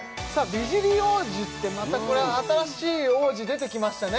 美尻王子ってまたこれ新しい王子出てきましたね